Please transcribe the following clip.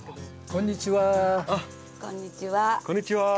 こんにちは。